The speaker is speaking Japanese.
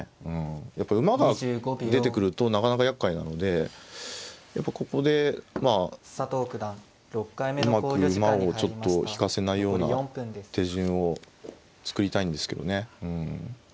やっぱ馬が出てくるとなかなかやっかいなのでやっぱここでまあうまく馬をちょっと引かせないような手順を作りたいんですけどね。